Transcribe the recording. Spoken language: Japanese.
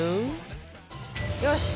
よし！